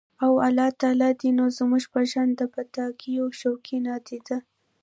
نو الله تعالی دې زموږ په شان د پټاکیو شوقي، نادیده